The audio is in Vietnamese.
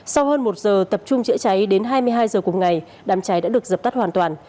sau hơn một giờ tập trung chữa cháy đến hai mươi hai giờ cùng ngày đám cháy đã được dập tắt hoàn toàn